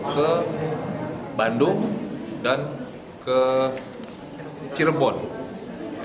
ke bandung dan ke cirebon